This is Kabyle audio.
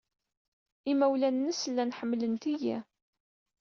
Imawlan-nnes llan ḥemmlent-iyi.